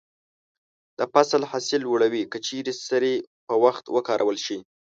د فصل حاصل لوړوي که چیرې سرې په وخت وکارول شي.